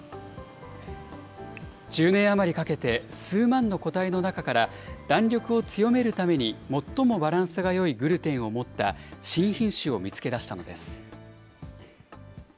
１０年余りかけて、数万の個体の中から弾力を強めるために最もバランスがよいグルテンを持った新品種を見つけ出したのです。